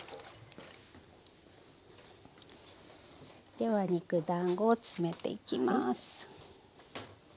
では肉だんごを詰めていきます。